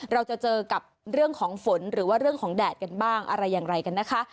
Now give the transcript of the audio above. เราจะเจอกับเรื่องของฝนหรือว่าเรื่องของแดดกันบ้างอะไรอย่างไรกันนะคะ